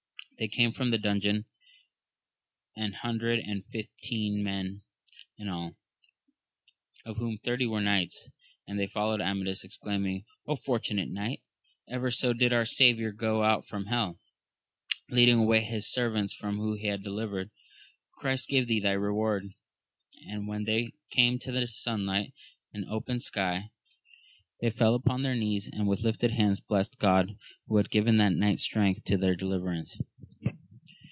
They came from the dungeon, an hundred and fif teen men in all, of whom thirty were knights, and they followed Amadis, exclaiming, fortunate knight ! even, so did our Saviour go out from hell, leading away his servants whom he had delivered. Christ give thee thy reward ! and, when they came to the sun light and open sky, they fell upon their knees, and with lifted hands blest God who had given that knight strength to their deliverance.